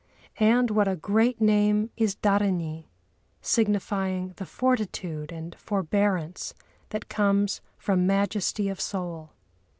And what a great name is Dhârini, signifying the fortitude and forbearance that comes from majesty of soul!